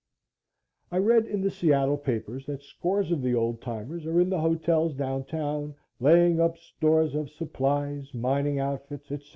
I read in the Seattle papers that scores of the old timers are in the hotels down town, laying up stores of supplies, mining outfits, etc.